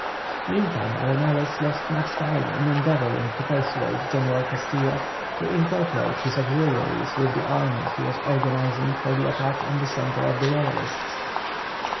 Meantime Arenales lost much time in endeavouring to persuade General Castillo to incorporate his auxiliaries with the army he was organizing for the attack on the centre of the Royalists.